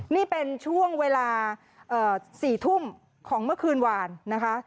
นี่เป็นช่วงเวลา๔ทุ่มของเมื่อคืนวานนะคะ